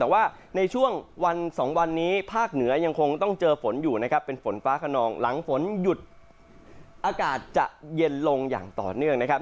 แต่ว่าในช่วงวันสองวันนี้ภาคเหนือยังคงต้องเจอฝนอยู่นะครับเป็นฝนฟ้าขนองหลังฝนหยุดอากาศจะเย็นลงอย่างต่อเนื่องนะครับ